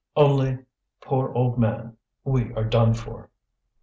Only, poor old man, we are done for."